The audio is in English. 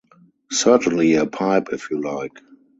Certainly, a pipe if you like.